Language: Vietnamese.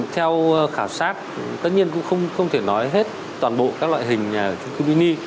theo khảo sát tất nhiên cũng không thể nói hết toàn bộ các loại hình nhà ở chung cư mini